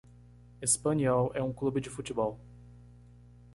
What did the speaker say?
Espanyol é um clube de futebol.